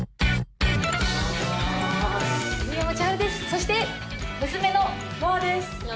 そして娘の。もあです。